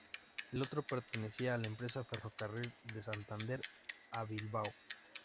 El otro pertenecía a la empresa Ferrocarril de Santander a Bilbao.